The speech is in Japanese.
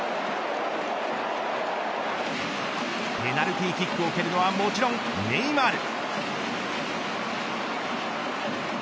ペナルティーキックを蹴るのはもちろんネイマール。